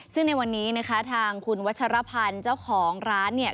ซึ่งในวันนี้นะคะทางคุณวัชรพันธ์เจ้าของร้านเนี่ย